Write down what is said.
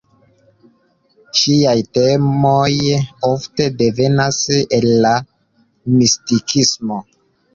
Ŝiaj temoj ofte devenas el la mistikismo.